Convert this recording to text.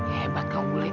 hebat kamu bule